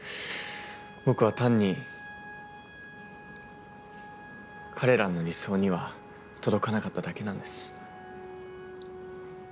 僕は単に彼らの理想には届かなかっただけなんです。